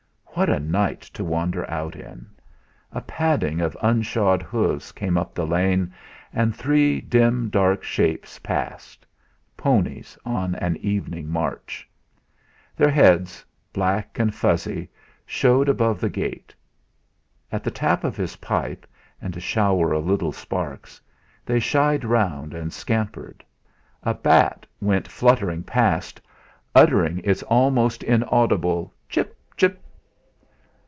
What a night to wander out in! A padding of unshod hoofs came up the lane, and three dim, dark shapes passed ponies on an evening march. Their heads, black and fuzzy, showed above the gate. At the tap of his pipe, and a shower of little sparks, they shied round and scampered. A bat went fluttering past, uttering its almost inaudible "chip, chip."